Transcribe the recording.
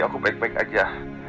aku baik baik aja